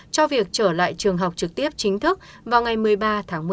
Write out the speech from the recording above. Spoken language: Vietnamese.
cho việc trở lại trường học trực tiếp chính thức vào ngày một mươi ba tháng một mươi hai